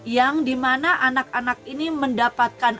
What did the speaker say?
yang dimana anak anak ini mendapatkan